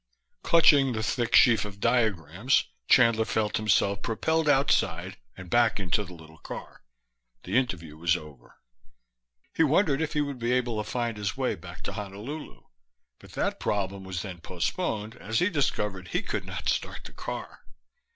Clutching the thick sheaf of diagrams, Chandler felt himself propelled outside and back into the little car. The interview was over. He wondered if he would be able to find his way back to Honolulu, but that problem was then postponed as he discovered he could not start the car.